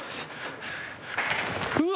うわ！？